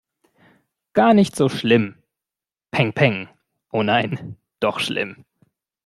Gar nicht so schlimm. Pengpeng. Oh nein, doch schlimm!